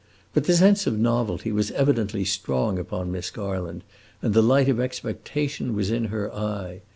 But the sense of novelty was evidently strong upon Miss Garland, and the light of expectation was in her eye.